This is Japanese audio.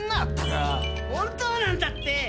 本当なんだって！